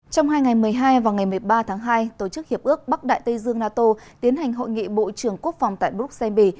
trong hai ngày một mươi hai và ngày một mươi ba tháng hai tổ chức hiệp ước bắc đại tây dương nato tiến hành hội nghị bộ trưởng quốc phòng tại bruxelles bỉ